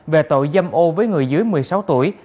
về tội dâm ô với người dưới một mươi sáu tuổi